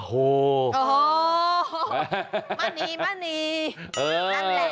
โอ้โหโอ้โหมันนี่มันนี่